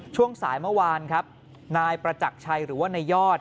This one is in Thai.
ช่วงสายเมื่อวานครับนายประจักรชัยหรือว่านายยอด